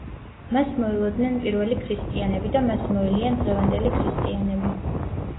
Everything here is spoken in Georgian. მას მოელოდნენ პირველი ქრისტიანები და მას მოელიან დღევანდელი ქრისტიანები.